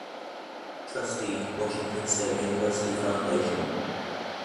Trustee, Washington State University Foundation.